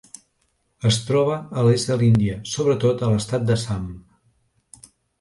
Es troba a l'est de l'Índia, sobretot a l'estat d'Assam.